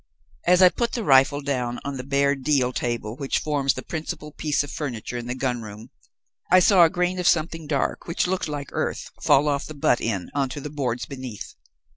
"As I put the rifle down on the bare deal table which forms the principal piece of furniture in the gun room, I saw a grain of something dark, which looked like earth, fall off the butt end on to the boards beneath.